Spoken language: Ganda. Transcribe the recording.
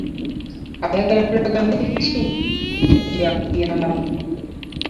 Ayagala kulaga ngeri ki gy'akuyambamu.